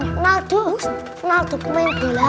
kenal tuh kenal tuh main bola